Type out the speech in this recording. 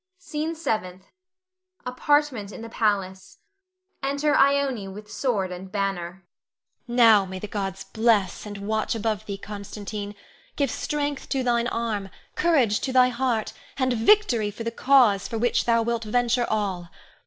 SCENE SEVENTH. [Apartment in the palace. Enter Ione with sword and banner.] Ione. Now may the gods bless and watch above thee, Constantine; give strength to thine arm, courage to thy heart, and victory to the cause for which thou wilt venture all.